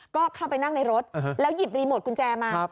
ก็เข้าไปนั่งในรถแล้วหยิบรีโมทกุญแจมา